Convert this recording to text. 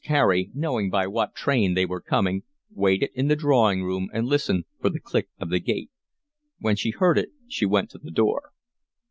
Carey, knowing by what train they were coming, waited in the drawing room and listened for the click of the gate. When she heard it she went to the door.